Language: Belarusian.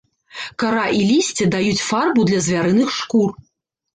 Кара і лісце даюць фарбу для звярыных шкур.